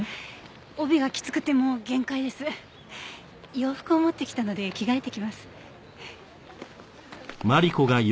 洋服を持ってきたので着替えてきます。